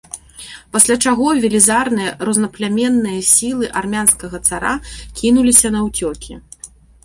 Пасля чаго велізарныя рознапляменныя сілы армянскага цара кінуліся наўцёкі.